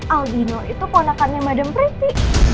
aldino itu ponakannya madam pretty